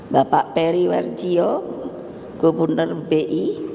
bapak peri warjio gubernur bi